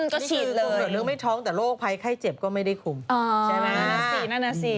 ก็ฉีดเลยนี่คือคุมกำเนินไม่ท้องแต่โรคภัยไข้เจ็บก็ไม่ได้คุมใช่ไหมนั่นแหละสิ